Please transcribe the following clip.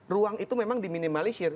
ruang itu memang diminimalisir